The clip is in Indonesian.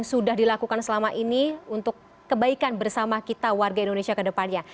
yang sudah dilakukan selama ini untuk kebaikan bersama kita warga indonesia kedepannya